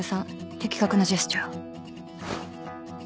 的確なジェスチャー